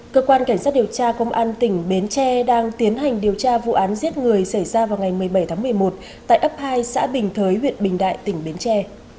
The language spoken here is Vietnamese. cơ quan cảnh sát điều tra công an tỉnh bến tre đang tiến hành điều tra vụ án giết người xảy ra vào ngày một mươi bảy tháng một mươi một tại ấp hai xã bình thới huyện bình đại tỉnh bến tre